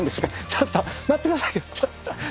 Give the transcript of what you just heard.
ちょっと待って下さい！